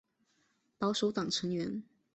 保守党成员。